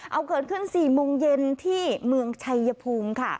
เอาเกิดขึ้น๔โมงเย็นที่เมืองชัยภูมิค่ะ